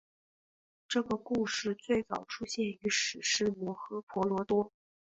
这个故事最早出现于史诗摩诃婆罗多。